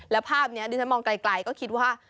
แล้วภาพนี้ดิฉันมองไกลก็คิดว่า